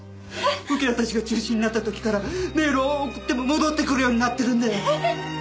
受け渡しが中止になった時からメールを送っても戻ってくるようになってるんだよ。